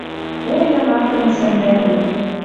О яратымы сӓндӓлӹк!